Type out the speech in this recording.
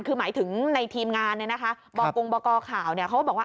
คือหมายถึงในทีมงานนี่นะคะบอกกรุงบอกก่อข่าวเขาก็บอกว่า